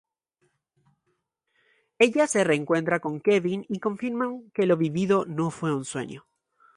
Ella se reencuentra con Kevin y confirman que lo vivido no fue un sueño.